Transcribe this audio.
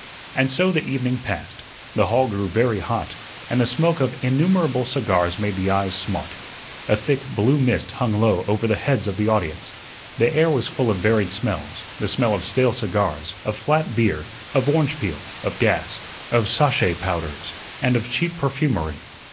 And so the evening passed. The hall grew very hot, and the smoke of innumerable cigars made the eyes smart. A thick blue mist hung low over the heads of the audience. The air was full of varied smells the smell of stale cigars, of flat beer, of orange peel, of gas, of sachet powders, and of cheap perfumery.